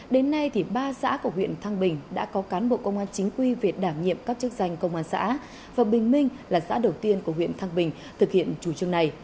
đến nay ba xã của huyện thăng bình đã có cán bộ công an chính quy về đảm nhiệm các chức danh công an xã và bình minh là xã đầu tiên của huyện thăng bình thực hiện chủ trương này